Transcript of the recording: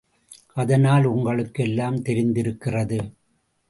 அதனால் உங்களுக்கு எல்லாம் தெரிந்திருக்கிறது.